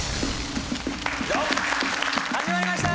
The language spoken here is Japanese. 始まりました